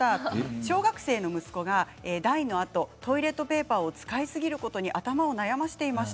小学生の息子が大のあとトイレットペーパーを使いすぎることに頭を悩ませてきました。